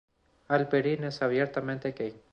Halperin es abiertamente gay.